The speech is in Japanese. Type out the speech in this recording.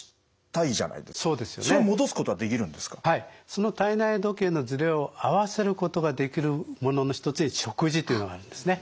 その体内時計のズレを合わせることができるものの一つに食事というのがあるんですね。